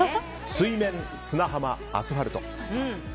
水面、砂浜、アスファルト。